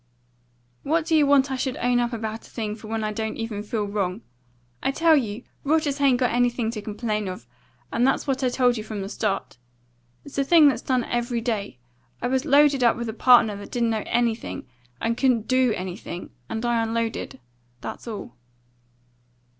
"What do you want I should own up about a thing for when I don't feel wrong? I tell you Rogers hain't got anything to complain of, and that's what I told you from the start. It's a thing that's done every day. I was loaded up with a partner that didn't know anything, and couldn't do anything, and I unloaded; that's all."